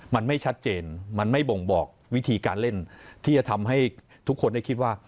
มันไม่ชัดเจนมันไม่บ่งบอกวิธีการเล่นที่จะทำให้ทุกคนได้คิดว่า